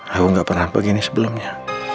aku gak pernah begini sebelumnya